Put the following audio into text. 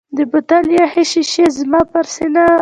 د بوتل یخې شیشې زما پر سینه ارغړۍ ارغړۍ نښې جوړې کړې.